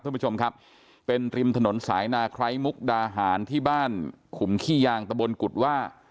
ท่านผู้ชมครับเป็นริมถนนสายนาไคร้มุกดาหารที่บ้านขุมขี้ยางตะบนกุฎว่า